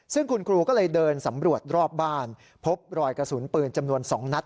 ซึ่งคุณครูก็เลยเดินสำรวจรอบบ้านพบรอยกระสุนปืนจำนวน๒นัด